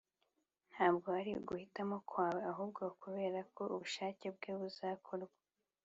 ntabwo ari uguhitamo kwawe ahubwo kuberako ubushake bwe buzakorwa.